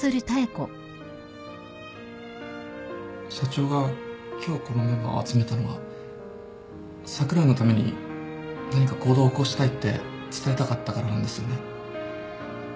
社長が今日このメンバーを集めたのは櫻井のために何か行動を起こしたいって伝えたかったからなんですよね？